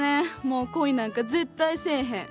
もう恋なんか絶対せえへん。